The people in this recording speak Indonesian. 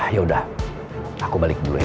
yaudah aku balik dulu ya